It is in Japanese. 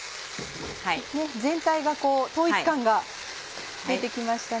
全体がこう統一感が出て来ましたね。